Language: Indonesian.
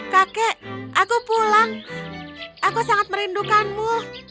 kakek aku pulang aku sangat merindukanmu